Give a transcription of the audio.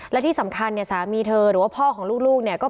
และที่สำคัญเนี่ยสามีเธอหรือว่าพ่อของลูกเนี่ย